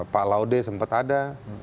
pak laude sempat ada